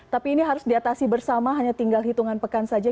tapi ini harus diatasi bersama hanya tinggal hitungan pekan saja